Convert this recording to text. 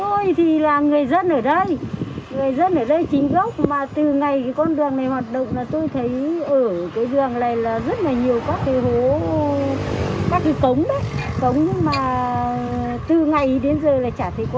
tôi thì là người dân ở đây người dân ở đây chính gốc mà từ ngày con đường này hoạt động là tôi thấy ở cái đường này là rất là nhiều khách